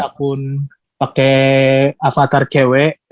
aku pun pake avatar cewek